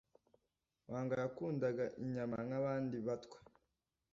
waga yakundaga inyama nk' abandi batwa;